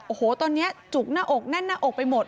โอ้โหตอนนี้จุกหน้าอกแน่นหน้าอกไปหมด